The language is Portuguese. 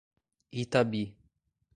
Itabi